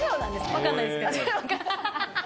分かんないですけど。